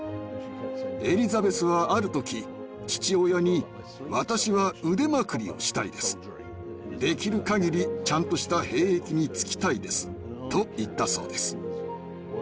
エリザベスはある時父親に「私は腕まくりをしたいです。できる限りちゃんとした兵役につきたいです」と言ったそうです。